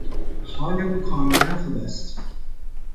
حال او کاملا خوب است.